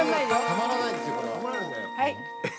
たまらないですよ、これ。